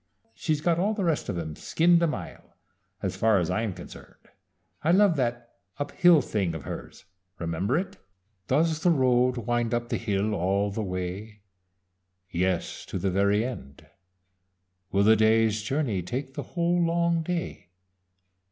"She's got all the rest of 'em skinned a mile, as far as I'm concerned. I love that 'Up Hill' thing of hers remember it? "Does the road wind up hill all the way? Yes, to the very end. Will the day's journey take the whole long day?